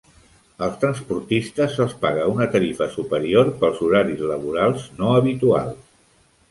Als transportistes se'ls paga una tarifa superior pels horaris laborals no habituals.